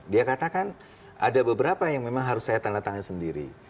dia katakan ada beberapa yang memang harus saya tanda tangan sendiri